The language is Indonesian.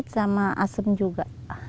kunyit sama asam juga